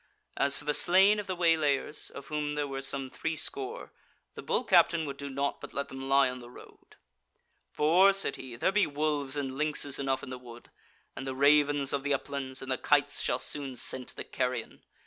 As for the slain of the waylayers, of whom there were some threescore, the Bull captain would do nought but let them lie on the road. "For," said he, "there be wolves and lynxes enough in the wood, and the ravens of the uplands, and the kites shall soon scent the carrion.